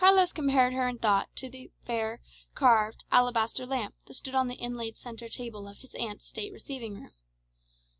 Carlos compared her in thought to the fair, carved alabaster lamp that stood on the inlaid centre table of his aunt's state receiving room.